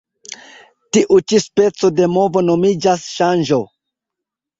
Tiu ĉi speco de movo nomiĝas ŝanĝo.